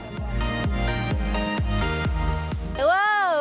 kuda kuda yang terkenal di sumba timur